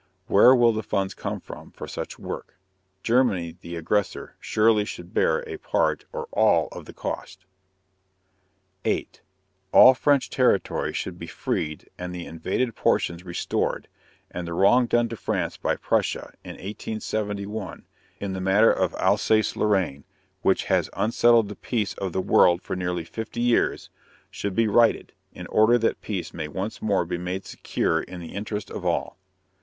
Where will the funds come from for such work? Germany, the aggressor, surely should bear a part or all of the cost. 8. _All French territory should be freed and the invaded portions restored, and the wrong done to France by Prussia in 1871 in the matter of Alsace Lorraine, which has unsettled the peace of the world for nearly fifty years, should be righted, in order that peace may once more be made secure in the interest of all.